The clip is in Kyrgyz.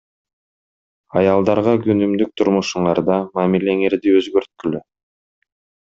Аялдарга күнүмдүк турмушуңарда мамилеңерди өзгөрткүлө.